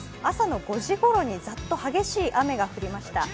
朝の５時ごろにざっと激しい雨が降りました。